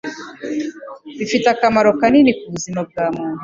bifite akamaro kanini ku buzima bwa muntu